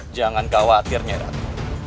jangan khawatir nyai ratu